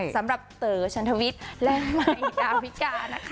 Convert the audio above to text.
สำหรับเต๋อชันทวิทย์และใหม่ดาวิกานะคะ